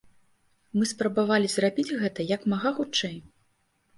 Мы спрабавалі зрабіць гэта як мага хутчэй.